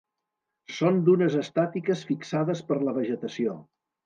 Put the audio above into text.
Són dunes estàtiques fixades per la vegetació.